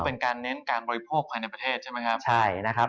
ก็เป็นการเน้นการบริโภคภายในประเทศใช่มั้ยครับ